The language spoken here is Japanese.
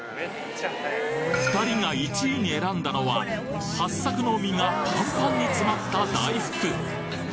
２人が１位に選んだのははっさくの実がパンパンに詰まった大福